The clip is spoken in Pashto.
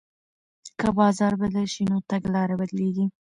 که بازار بدل شي نو تګلاره بدلیږي.